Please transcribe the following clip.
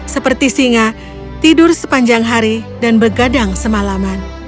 seperti singa tidur sepanjang hari dan begadang semalaman